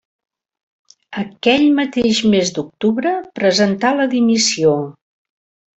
Aquell mateix mes d'octubre presentà la dimissió.